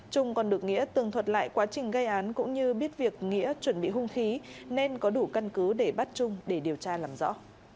trung còn được nghĩa từng thuật lại quá trình gây án cũng như biết việc nghĩa chuẩn bị hung khí nên có đủ căn cứ để bắt trung để điều tra làm rõ